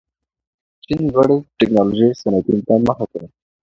چین لوړې تکنالوژۍ صنعتونو ته مخه کړه.